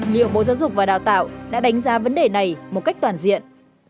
liệu bộ giáo dục và đào tạo đã đánh giá vấn đề này một cách toàn diện